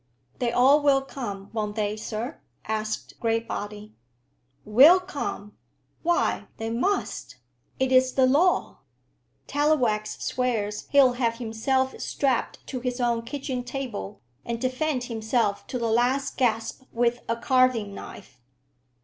"They all will come; won't they, sir?" asked Graybody. "Will come! Why, they must. It is the law." "Tallowax swears he'll have himself strapped to his own kitchen table, and defend himself to the last gasp with a carving knife.